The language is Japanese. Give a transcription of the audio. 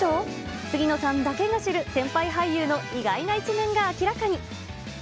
杉野さんだけが知る、先輩俳優の意外な一面が明らかに。